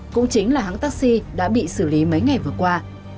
cũng chính là hãng taxi đã bị xử lý mấy ngày vừa qua